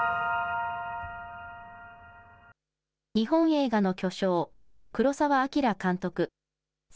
日本映画の巨匠、黒澤明監督。